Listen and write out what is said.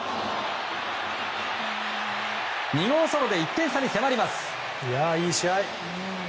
２号ソロで１点差に迫ります。